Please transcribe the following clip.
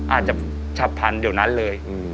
อาจจะชับพรรณเดียวนั้นเลย